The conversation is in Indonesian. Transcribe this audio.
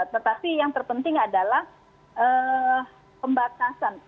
tetapi yang terpenting adalah pembatasan